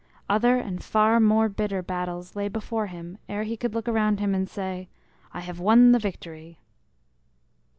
Other and far more bitter battles lay before him ere he could look around him and say, "I have won the victory."